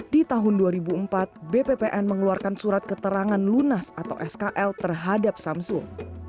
di tahun dua ribu empat bppn mengeluarkan surat keterangan lunas atau skl terhadap samsung